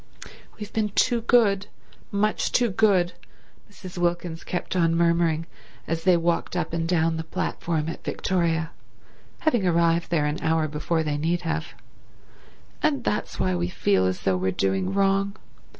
"We've been too good—much too good," Mrs. Wilkins kept on murmuring as they walked up and down the platform at Victoria, having arrived there an hour before they need have, "and that's why we feel as though we're doing wrong.